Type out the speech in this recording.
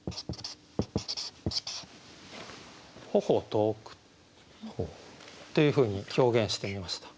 「頬遠く」というふうに表現してみました。